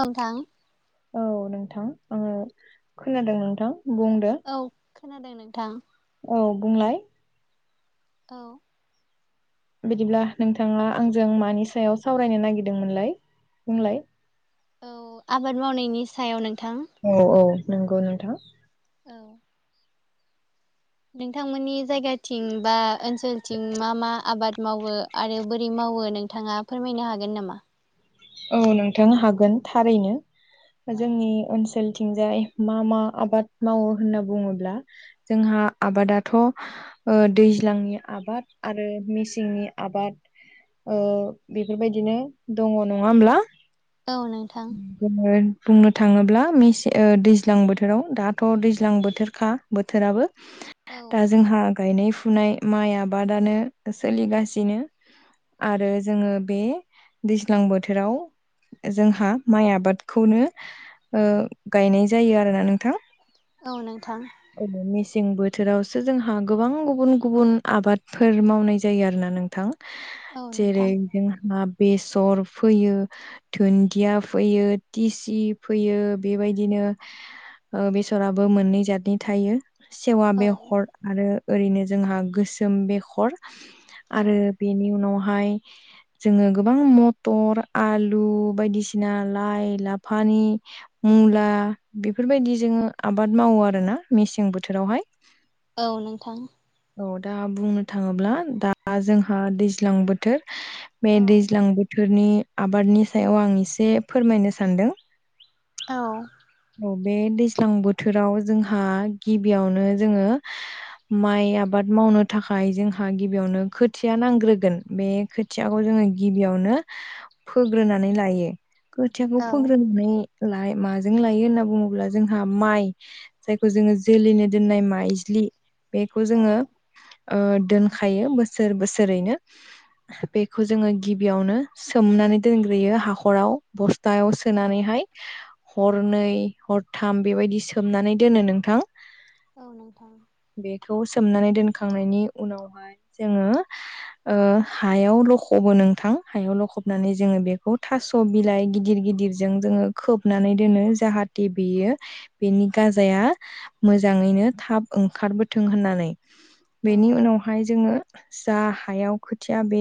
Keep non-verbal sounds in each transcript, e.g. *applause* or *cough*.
ओं नोंथां, औ नोंथां आङो खोनादों नोंथां, बुंदो औ खोनादों नोंथां औ बुंलाय? औ बिदिब्ला नोंथाङा आंजों मानि सायाव सावरायनो नागिरदोंमोनलाय? बुंलाय। औ आबाद मावनायनि सायाव नों औ औ नंगौ नोंथां, औ नोंथांमोननि जायगाथिं बा ओनसोलथिं मा मा आबाद, मावो आरो बोरै मावो नोंथाङा फोरमायनो हागोन नामा? औ नोंथां हागोन थारैनो औ जोंनि ओनसोल, आथिंजाय मा मा आबाद मावो होनना बुङोब्ला जोंहा आबादाथ' ओ दैज्लांनि आबाद आरो मेसेंनि आबाद, ओ बेफोर बायदिनो दङ नङा हब्ला औ नोंथां जोङो बुंनो थाङोब्ला मसे दैज्लां बोथोराव दाथ' दैज्लां बोथोरखा बोथोराबो, औ दा जोंहा गायनाय फुनाय माइ आबादानो सोलिगासिनो, आरो जोङो बे दैज्लां बोथोराव, जोंहा माइ आबादखौनो ओ गायनाय जायो आरोना नोंथां, औ नोंथां औ मेसें बोथोरावसो जोंहा गोबां गुबुन गुबुन आबादफोर मावनाय जायो आरोना नोंथां, औ जेरै नोंथां जोंहा बेसर फोयो दुन्दिया फोयो टिसि फोयो बेबायदिनो, ओ बेसराबो मोननै जादनि थायो। सेवा औ बेखर आरो ओरैनो जोंहा गोसोम बेखर, औ आरो बेनि उनावहाय जोङो गोबां मद टर आलु बायदिसिना लाइ लाफानि मुला बेफोर बेफोरबायदि जोङो आबाद मावो आरोना मेसें बोथोरावहाय औ नोंथां औ दा बुंनो थाङोब्ला दा जोंहा दैज्लां बोथोर बे औ दैज्लां बोथोर बेफोरनि आबादनि सायाव आं एसे फोरमायनो सानदों, औ अ बे दैज्लां बोथोराव जोंहा गिबियावनो जोङो माइ आबाद, आबाद मावनो थाखाय जोंहा गिबियावनो खोथिया नांग्रोगोन बे खोथियाखौ जोङो गिबियावनो, फोग्रोनानै लायो खोथियाखौ औ फोग्रोनानै लायो। लायो होनना बुङोब्ला जोंहा माइ जायखौ जोङो जोलैनो दोननाय माज्लि, बेखौ औ जोङो ओ दोनखायो बोसोर बोसोरैनो बेखौ जोङो गिबियावनो सोमनानै दोनग्रोयो हाखराव बस्थ बस्थायाव सोनानैहाय हरनै हरथाम बेबायदि सोमनानै दोनो नोंथां, औ नोंथां खौ सोमनानै दोनखांनायनि उनावहाय जोङो, ओ हायाव लखब नोंथां हायाव लखबनानै जोङो बेखौ थास' बिलाइ गिदिर गिदिर गिदिर जोङो खोब खोबनानै दोनो जाहाथे बेयो बेनि गाजाया मोजाङैनो थाब ओंखार, ओंखारबोथों होननानै औ बेनि उनावहाय जोङो, जा हायाव खोथिया बे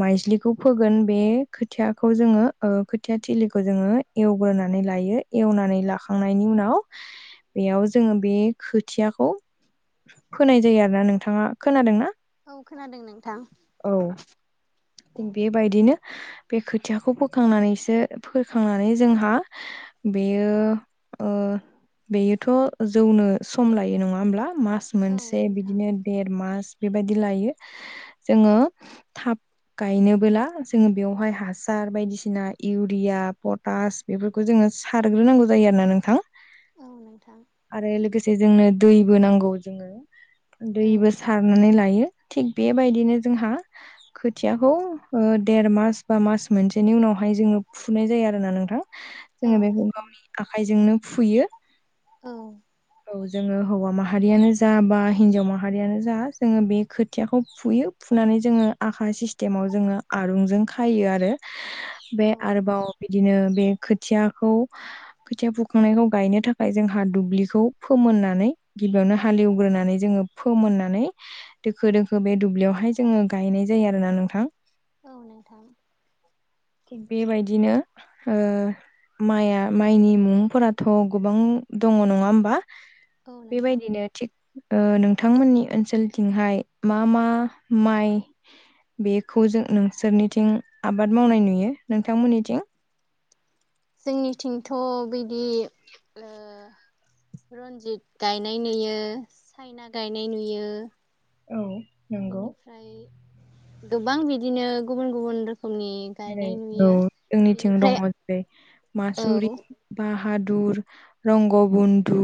माइजलिखौ फोगोन बे खोथिया खौ जोङो ओ खोथिया थिलिखौ जोङो एवग्रोनानै लायो एवनानै लाखांनायनि उनाव बेयाव जोङो बे खोथिया खौ फीनाय जायो आरो ना नोंथाङा खोनादों ना औ खोनादों नोंथां औ औ बेबायदिनो बे खोथियाखौ बोखांनानैसो बोखांनानै जोंहा बेयो ओ बेयोथ' जौनो सम लायो नङा होमब्ला मास औ मोनसे नोंथां बिदिनो देर मास बेबायदि लायो जोङो थाब गायनोबोला जोङो बेवहाय हासार बायदिसिना इउरिया पट बास बेफोरखौ जोङो सारग्रोनांगौ जायो आरोना नोंथां औ नोंथां आरो लोगोसे जे जोंनो दैबो नांगौ जोङो औ दैबो सारनानै लायो थिग बेबायदिनो जोंहा खोथियाखौ देर मास बा मास मोनसेनि उनावहाय जोङो फुनाय जायो आरो आरोना नोंथां औ जोङो बेखौ नोंथां गावनि आखाइजोंनो फुयो औ औ जोङो हौवा माहारियानो जा बा हिनजाव माहारियानो जा जोङो बे खोथियाखौ फुयो फुनानै जोङो आखा सिस्टेमाव जोङो आरुंजों खायो आरो औ बे आरोबाव बिदिनो बे खयाखौ खोथिया फुखांनायखौ गायनो थाखाय जोंहा दुब्लिखौ फोमोन नानै गिबियावनो हालेवग्रोनानै जोङो फो मोननानै दोखो दोखो बे दुब्लियावहाय जोङो गायनाय जायो आरोना नोंथां औ नोंथां थिग बेबायदिनो माइआ माइनि मुंफोराथ' गोबां दङ नङा होमबा औ नोंथां बेबायदिनो थिग नों नोंथांमोननि ओनसोलथिंहाय मा मा माइ बेखौ जों नोंसोरनिथिं आबाद मावनाय नुयो नोंथांमोननिथिं जोंनिथिंथ' बिदि रन्जित गायनाय नुयो साइना गायनाय नुयो औ नंगौ बिनिफ्राय गोबां बिदिनो गुबुन गुबुन रोखोम औ जोंनिथिं बेनिफ्राय दङ जेरै औ मासुरि बा हादुर रंग'बन्धु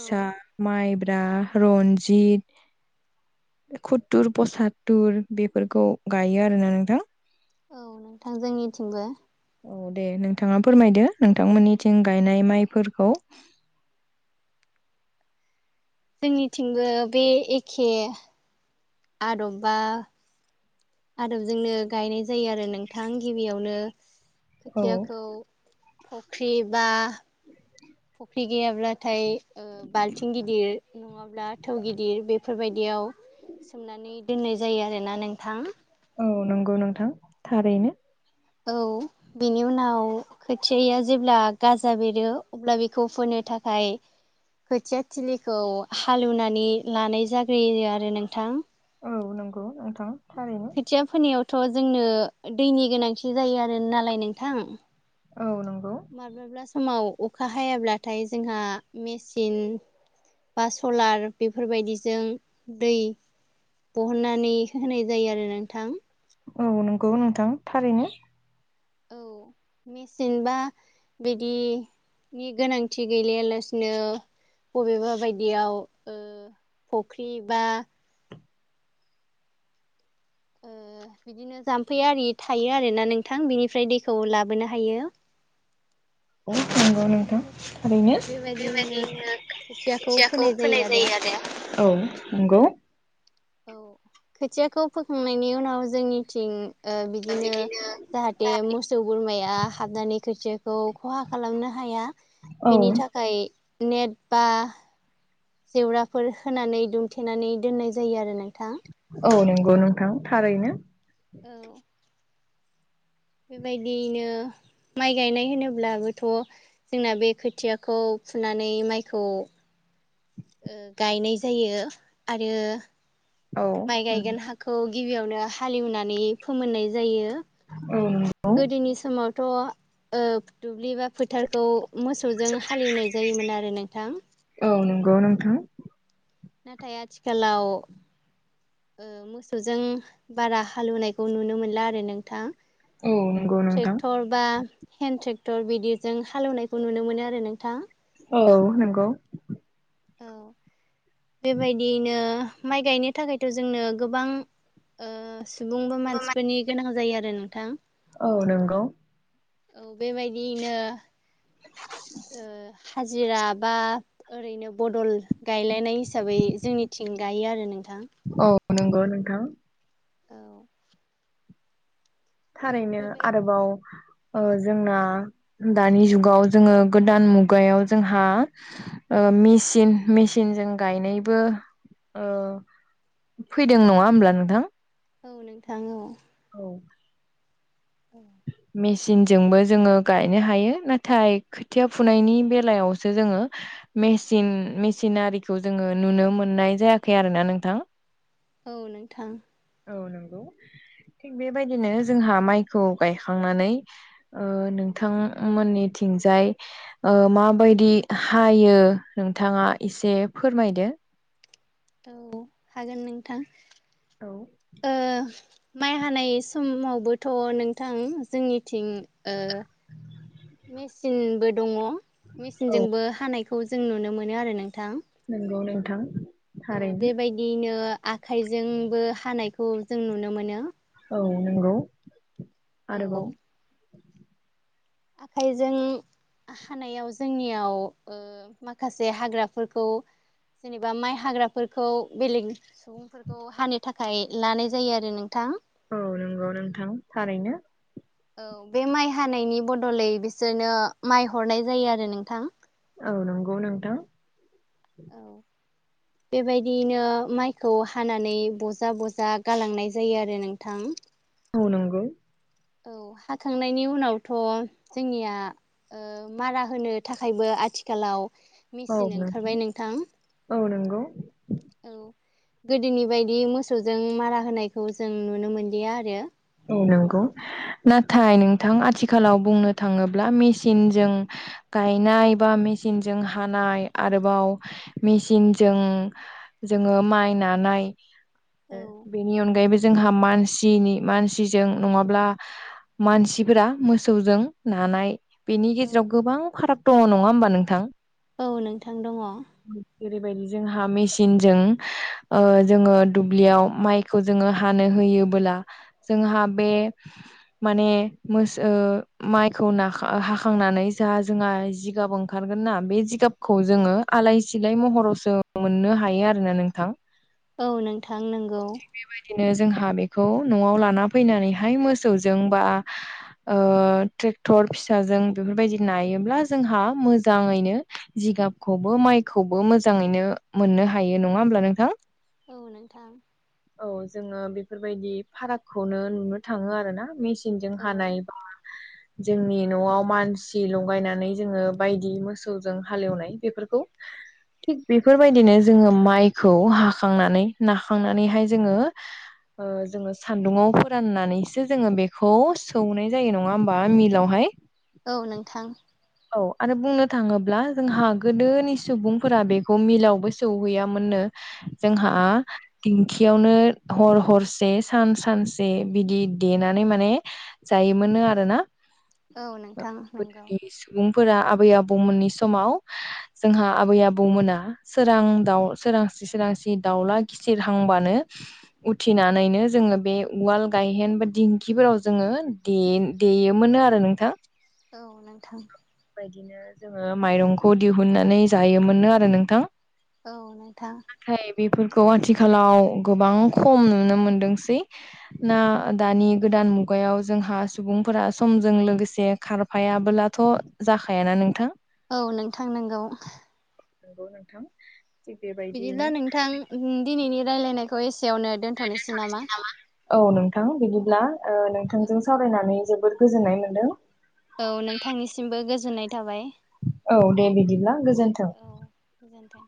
औ माइ ब्रा रनजित कुथुर पसातुर बेफोरखौ गायो आरोना नोंथां औ नोंथां जोंनिथिंबो औ दे नोंथाङा फोरमायदो नोंथांमोननिथिं गायनाय माइफोरखौ *inaudible* जोंनिथिंबो बे एखे आदबबा आदबजोंनो गायनाय जायो आरो नोंथां गिबियावनो औ खोथियाखौ फख्रि बा *inaudible* फुख्रि गैयाब्लाथाय बाल्थिं गिदिर नङाब्ला अब्ला थौ गिदिर बेफोरबायदियाव सोमनानै दोननाय जायो आरोना नोंथां औ नंगौ नोंथां थारैनो औ बेनि उनाव खोथियाया जेब्ला गाजा बेरो अब्ला बेखौ फोनो नो थाखाय खोथिया थिलिखौ हालेवनानै लानाय जाग्रोयो आरो नोंथां औ नंगौ नोंथां थारैनो खोथिया फोनायावथ' जोंनो दैनि गोनांथि जायो आरो नालाय नोंथां औ नंगौ माब्लाबा समाव अखा हायाब्लाथाय जोंहा मेसिन बा सलार बेफोरबायदिजों दै बहननानै होनाय जायो आरो नोंथां। औ नंगौ नोंथां थारैनो। मेसिन बा बिदिनि गोनांथि गैलियालासिनो। बबेबा बायदियाव फख्रि बा ओ *inaudible* बिदिनो जाम्फै आरि थायो आरोना नोंथां बिनिफ्राय दैखौ लाबोनो हायो। औ नंगौ नोंथां थारैनो बेबायदिनो खोखियाखौ फोनाय जायो आरो। औ नंगौ। औ खोथियाखौ फोखांनायनि उनाव जोंनिथिं। बिदिनो जाहाथे मोसौ बोरमाया हाबनानै खोथि खौ खहा खालामनो हाया औ बेनि थाखाय नेट बा जेवराफोर होनानै दुमथेनानै दोननाय जायो आरो ना। औ नंगौ नोंथां थारैनो। औ बेबायदियैनो माइ गायनाय होनोब्लाबोथ' जोंना बे खोथियाखौ फुनानै माइखौ गायनाय जायो आरो औ माइ गायगोन हाखौ गि बियावनो हालेवनानै फोमोननाय जायो औ नंगौ गोदोनि समाव। थ' ओ दुब्लि बा फोथारखौ मोसौजों हालेवनाय जायोमोन आरो नोंथां। औ नंगौ नोंथां नाथाय आथिखालाव ओ मोसौजों बारा हालोवनायखौ नुनो मोनला आरो नोंथां। औ नंगौ नोंथां ट्रेक्टर बा हेन्द ट्रेक्ट टर बिदिजों हालेवनायखौ नुनो मोनो आरो नोंथां। औ नंगौ। औ बेबायदियैनो माइ गायनो थाखायथ' जोंनो गोबां सुबुंबो मानसिफोरनि गोनां जायो आरो नोंथां। औ नंगौ औ बेबायदियैनो ओ हाजिरा बा ओरैनो बदल गायलायनाय हिसाबै जोंनिथिं गायो आरो नों। औ नंगौ नोंथां। औ थारैनो बेबाय आरोबाव। जोंना दानि जुगाव जोङो गोदान मुगायाव जोंहा। मेसिन मेसिनजों गायनायबो। फैदों नङा होमब्ला नोंथां? औ नोंथां औ। औ औ मेसिनजोंबो जोङो गायनो हायो नाथाय खोथिया फुनायनि बेलायावसो जोङो। मसिन मेसिनारिखौ जोङो नुनो मोननाय जायाखै आरोोना नोंथां। औ नोंथां। औ नंगौ। थिग बेबायदिनो जोंहा माइखौ गायखांनानै नोंथांमोननि थं जाय माबायदि हायो नोंथाङा एसे फोरमायदो। औ हागोन नोंथां। माइ हानाय समावबोथ' नोंथां जोंनिथिं। मेचिनबो दङ मेचिनजोंबो हानायखौ जों नुनो मोनो आरो नोंथां। नोंगौ नोंथां। औ थारैनो बेबायदियनो आखाइजोंबो हानायखौ जों नुनो मोनो। औ नंगौ आरोबाव औ आखाइजों हानायाव जोंनियाव माखासे हाग्राफोरखौ जेनेबा माइ हाग्राफोरखौ बेलेग सुबुंफोरखौ हानो थाखाय लानाय जायो आरो नोंथां। औ नंगौ नोंथां थारैनो। औ बे माइ हानायनि बदलै बिसोरनो माइ हरनाय जायो आरो नोंथां। औ नंगौ नोंथां। औ बेबायदियैनो माइखौ हानानै बजा बजा गालांनाय जायो आरो नोंथां। औ नांगौ औ हाखांनायनि उनावथ' जोंनिया ओ मारा होनो थाखायबो आथिखालाव औ मेचन नों ओंखारबाय नोंथां। औ नंगौ औ गोदोनि बायदि मोसौजों मारा होनायखौ जों नुनो मोनलिया आरो। ओ नांगौ। नाथाय नोंथां आथिखालाव बुंनो थाङोब्ला मेसिनजों गायनाय बा। मिसिनजों हानाय आरोबाव मेसिनजों जोङो माइ नानाय। औ बेनि अनगायैबो जों मानसिनि। मानसिजों नङाब्ला मानसिफोरा मोसौजों नानाय बेनि औ गेजेराव गोबां फाराग दङ नङा होमबा नोंथां? औ नोंथां दङ। जैबायदि जोंहा मेसिनजों ओ जोङो दुब्लियाव माइखौ जोङो हानो होयो। योबोला जोंहा बे माने मोसौ माइखौ नाख हाखांनानै। जोंहा जोंहा जिगाबो ओंखारगोन ना बे जिगाब। खौ जोङो आलाय सिलाय महरावसो मोननो हायो आरोना नोंथां। औ नोंथां नंगौ। ओ जोंहा बेखौ न'आव‌ लाब नानै फैनानैहाय मोसौजों बा ओ ट्रेक्टर फिसाजों बेफोरबायदि। नायोब्ला जोंहा मोजाङैनो जिगाबखौबो माइखौबो मोजाङैनो मोननो हायो। हायो नङा होमब्ला नोंथां? औ नोंथां। औ जोङो बेफोरबायदि फारागखौनो नुनो थाङो आरोना मेसिनजों औ हानाय बा। जोंनि न'आव मानसि लगायनानै जोङो बायदि मोसौजों हालेवनाय बेफोरखौ। थिग बेफोरबायदिनो जोङो माइखौ हाखांनानै नाखांनानैहाय जोङो ओ जोङो स। सान्दुंआव फोराननानैसो जोङो बेखौ सौनाय जायो नङा होमबा मिलावहाय। औ नोंथां। औ आरो बुंनो थाङोब्ला जोंहा गोदोनि सुबुंफोरा बेखौ मिलावबो सौहैयामोननो। औ जोंहा दिं खियावनो हर हरसे सान सानसे बिदि देनानै माने जायोमोन। मोनो आरो ना। औ नोंथां नंगौ। फोर आबै आबौमोननि समाव जोंहा आबै आबौमोना सोरां दाव सोरां सोरांसि सोरांसि दावला गेसेरहांब्लानो उथिनानैनो जोङो बे उवाल गायहेन। बे दिंखिफोराव जोङो दे देयोमोनो आरो नोंथां। औ नोंथां। बिदिनो जोङो माइरंखौ दिहुननानै जायोमोननो आरो नोंथां। औ नोंथां। खौ आथिखालाव गोबां खम नुनो मोनदोंसै ना दानि गोदान मुगायाव मुगायाव जोंहा सुबुंफोरा समजों लोगोसे खारफायाबोलाथ' जाखायाना नोंथां औ नोंथां नंगौ। नंगौ नोंथां। थिग बेबायदियैनो बिदिब्ला नोंथां दिनैनि रायलायनायखौ एसे औ नोंथां बिदि ब्ला ओ औ नोंथांजों सावरायनानै जोबोद गोजोननाय मोनदों। औ नोंथांनिसिमबो गोजोननाय थाबाय। औ दे बिदिब्ला गोजोन्थों। औ गोजोनथों।